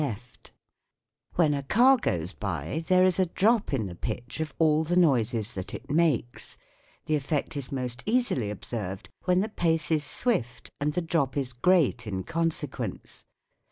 SOUNDS OF THE TOWN 77 When a car goes by there is a drop in the pitch of all the noises that it makes ; the effect is most family observed when the pace is swift and the drop is great in consequence.